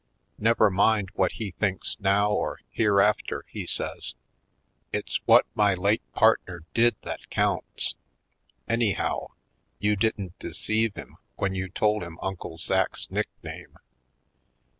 "Never mind what he thinks now or here after," he says. "It's what my late partner did that counts. Anyhow, you didn't de ceive him when you told him Uncle Zach's nickname."